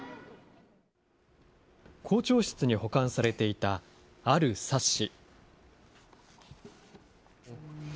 校長室に保管されていたある冊子。